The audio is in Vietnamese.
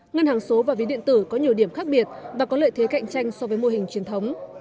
ngân hàng số và ví điện tử có nhiều điểm khác biệt và có lợi thế cạnh tranh so với mô hình truyền thống